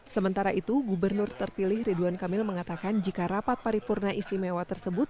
sementara itu gubernur terpilih ridwan kamil mengatakan jika rapat paripurna istimewa tersebut